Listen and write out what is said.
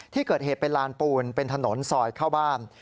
ที่เกิดเหตุเป็นลานปูนเป็นถนนซอยเข้าบ้าน